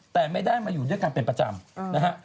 แต่ไม่ได้มาอยู่ด้วยกันเป็นประจำนะฮะ